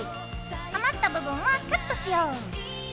余った部分はカットしよう。